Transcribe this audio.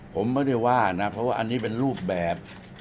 ผมไม่ได้ว่านะเพราะว่าอันนี้เป็นรูปแบบ